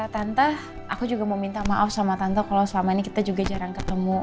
tante aku juga mau minta maaf sama tante kalau selama ini kita juga jarang ketemu